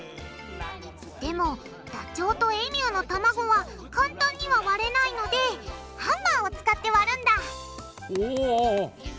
でもダチョウとエミューの卵は簡単には割れないのでハンマーを使って割るんだおおお！